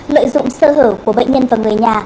lợi dụng sơ hở của bệnh nhân và người nhà